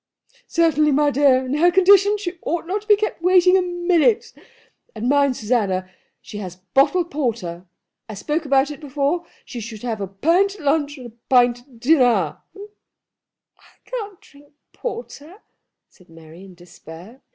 "Certainly, my dear. In her condition she ought not to be kept waiting a minute. And mind, Susanna, she has bottled porter. I spoke about it before. She should have a pint at lunch and a pint at dinner." "I can't drink porter," said Mary, in despair.